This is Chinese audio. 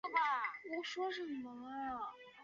尼特拉足球俱乐部是斯洛伐克的一家足球俱乐部。